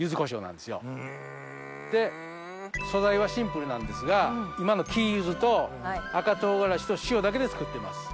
で素材はシンプルなんですが今の黄ゆずと赤唐辛子と塩だけで作っています。